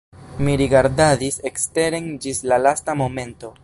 Mi rigardadis eksteren ĝis la lasta momento.